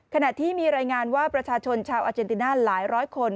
ขณะที่มีรายงานว่าประชาชนชาวอาเจนติน่าหลายร้อยคน